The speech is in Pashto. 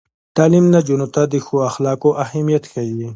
تعلیم نجونو ته د ښو اخلاقو اهمیت ښيي.